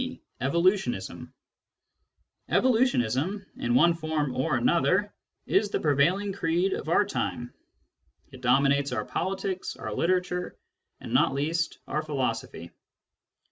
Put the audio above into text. Evolutionism Evolutionism, in one form or another, is the prevail ing creed of our time. It dominates our politics, our literature, and not least our philosophy.